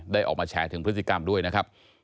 ออกมาแฉถึงพฤติกรรมด้วยนะครับ